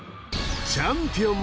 チャンピオン